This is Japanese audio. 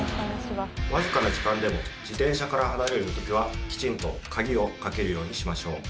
わずかな時間でも自転車から離れる時はきちんと鍵をかけるようにしましょう。